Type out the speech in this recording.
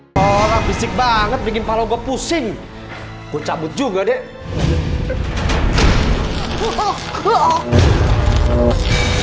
hai orang fisik banget bikin palogo pusing ku cabut juga deh